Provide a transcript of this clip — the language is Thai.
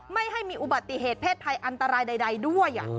ไม่ให้มีอุบัติเหตุเพศภัยอันตรายใดด้วย